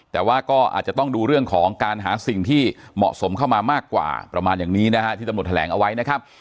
แต่ว่าก็อาจจะต้องดูเรื่องของการหาสิ่งที่เหมาะสมเข้ามามากกว่าประมาณอย่างนี้นะฮะที่ตำรวจแถลงเอาไว้นะครับ